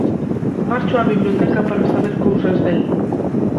Marcho á biblioteca para saber cousas del.